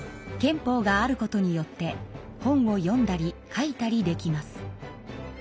憲法があることによって本を読んだり書いたりできます。